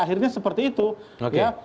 akhirnya seperti itu oke